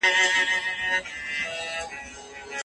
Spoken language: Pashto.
ما په غونډه کي د پښتو د حقونو په اړه بیان ورکړی.